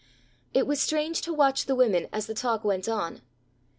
It was strange to watch the women as the talk went on.